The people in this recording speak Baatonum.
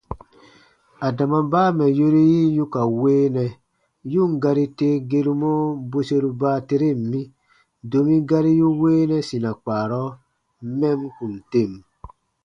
Adama baa mɛ̀ yori yi yu ka weenɛ, yu ǹ gari tee gerumɔ bweseru baateren mi, domi gari yu weenɛ sina kpaarɔ mɛm kùn tem.